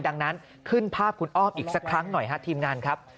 ดังนั้นขึ้นภาพคุณอ้อมอีกสักครั้งหน่อยฮะทีมงานครับ